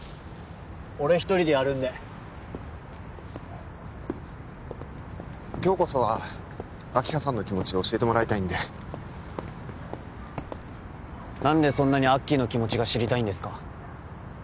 俺一人でやるんで今日こそは明葉さんの気持ちを教えてもらいたいんで何でそんなにアッキーの気持ちが知りたいんですか？